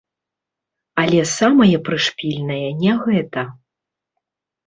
Але самае прышпільнае не гэта.